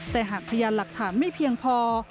แต่หากพยานหลักฐานไม่เพียงพอ